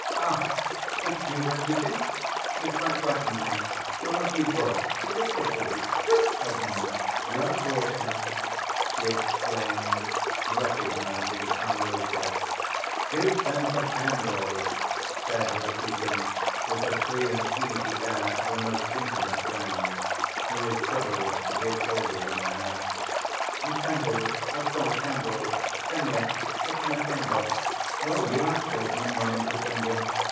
"Ah, it's you, Rakitin? You quite frightened me. Whom have you brought? Who is this with you? Good heavens, you have brought him!" she exclaimed, recognizing Alyosha. "Do send for candles!" said Rakitin, with the free‐and‐easy air of a most intimate friend, who is privileged to give orders in the house. "Candles ... of course, candles.... Fenya, fetch him a candle.... Well, you have chosen a moment to bring him!"